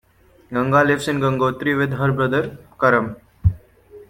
Ganga lives in Gangotri with her brother, Karam.